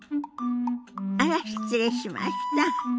あら失礼しました。